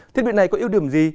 thiết bị này có yếu điểm gì